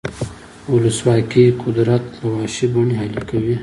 ولسواکي قدرت له وحشي بڼې اهلي کوي.